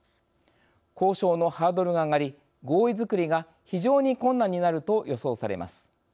交渉のハードルが上がり合意づくりが非常に困難になると予想されます。